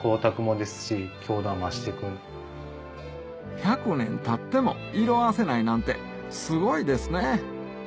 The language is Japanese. １００年たっても色あせないなんてすごいですね